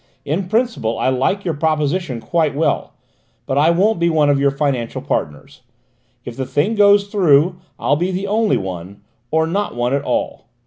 In principle I like your proposition quite well; but I won't be one of your financial partners; if the thing goes through I'll be the only one, or not one at all.